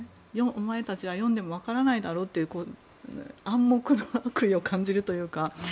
お前たちは読んでも分からないだろという暗黙の悪意を感じるというか。